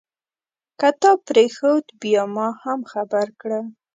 که تا پرېښود بیا ما هم خبر کړه.